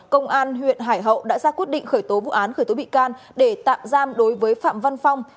công an huyện hải hậu đã ra quyết định khởi tố vụ án khởi tố bị can để tạm giam đối với phạm văn phong